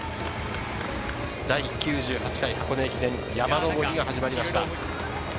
第９８回箱根駅伝、山上りが始まりました。